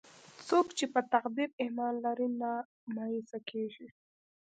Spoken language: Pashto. څوک چې په تقدیر ایمان لري، نه مایوسه کېږي.